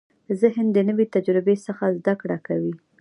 ذهن د نوې تجربې څخه زده کړه کوي.